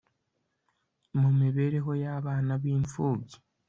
mu mibereho y abana b imfubyi